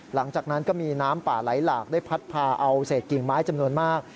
หลังจากนั้นก็มีน้ำป่าไหลหลากได้พัดพาเอาเศษกิ่งไม้จำนวนมาก